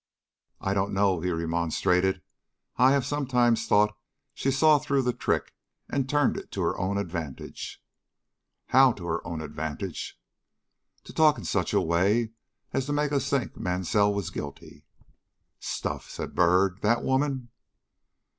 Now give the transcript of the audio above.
"I don't know," he remonstrated. "I have sometimes thought she saw through the trick and turned it to her own advantage." "How to her own advantage?" "To talk in such a way as to make us think Mansell was guilty." "Stuff!" said Byrd; "that woman?"